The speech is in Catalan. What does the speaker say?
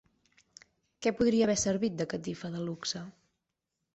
Què podria haver servit de catifa de luxe?